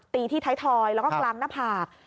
ตีที่ท้ายทอยแล้วก็กลางหน้าผาก